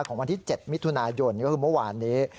ของวันที่๗มิถุนายนก็คือเมื่อวานนี้